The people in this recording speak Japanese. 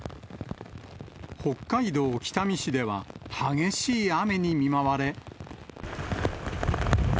北海道北見市では、激しい雨に見舞われ。